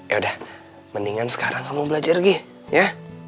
yaudah mendingan sekarang kamu belajar gi ya